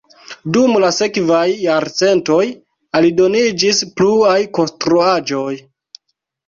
Dum la sekvaj jarcentoj aldoniĝis pluaj konstruaĵoj.